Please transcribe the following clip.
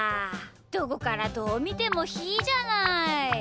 どこからどうみてもひーじゃない。